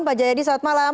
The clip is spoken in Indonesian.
pak jayadi selamat malam